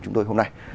chúng tôi hôm nay